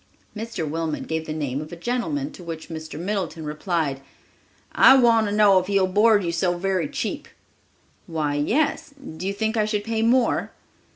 Mr. Wilmot gave the name of the gentleman, to which Mr. Middleton replied, "I want to know if he will board you so very cheap!" "Why, yes. Do you think I should pay more?"